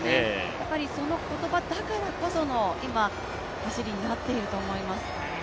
やっぱりその言葉だからこその走りになっていると思います。